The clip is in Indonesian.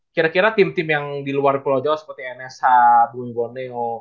kira kira tim tim yang di luar pulau jawa seperti nsh buin boneo